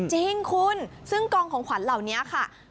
จริงคุณซึ่งกองของขวัญเหล่านี้ค่ะ